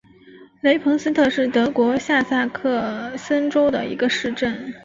雷彭斯特是德国下萨克森州的一个市镇。